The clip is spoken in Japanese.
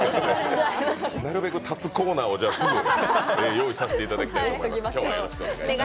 なるべく立つコーナーをすぐ用意させていただきます。